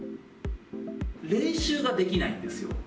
練習ができないんですよ。